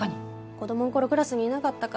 子どもの頃クラスにいなかったか？